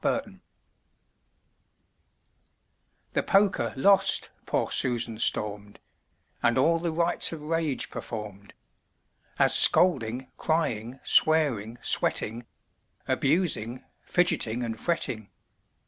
Nelson] THE poker lost, poor Susan storm'd, And all the rites of rage perform'd; As scolding, crying, swearing, sweating, Abusing, fidgetting, and fretting.